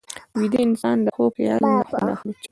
ویده انسان د خوب خیال نه خوند اخلي